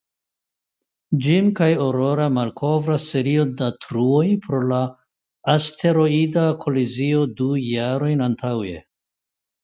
Jim kaj Aurora malkovras serion de truoj pro la asteroida kolizio du jarojn antaŭe.